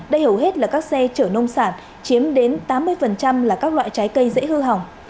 đây hầu hết là các xe chở nông sản chiếm đến tám mươi là các loại trái cây dễ hư hỏng